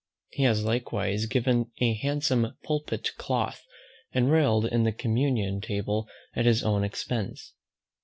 He has likewise given a handsome pulpit cloth, and railed in the communion table at his own expense.